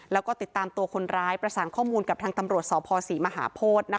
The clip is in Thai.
แล้วก็ติดตามตัวคนร้ายประสานข้อมูลกับทางตำรวจสพศรีมหาโพธิ